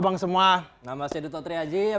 itu kimse yang harus berseti biar gusta